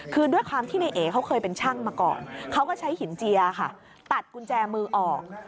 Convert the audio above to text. คือด้วยความที่ในเอเขาเคยเป็นช่างมาก่อนเขาก็ใช้หินเจียค่ะตัดกุญแจมือออก